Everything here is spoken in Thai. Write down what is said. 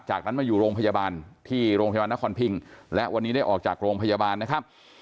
จากนั้นมาอยู่โรงพยาบาลที่โรงพยาบาลนครพิงและวันนี้ได้ออกจากโรงพยาบาลนะครับ